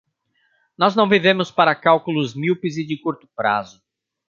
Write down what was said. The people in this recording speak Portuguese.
Nós não vivemos para cálculos míopes e de curto prazo.